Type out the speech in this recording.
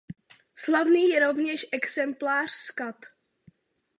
Slavný je rovněž exemplář s kat.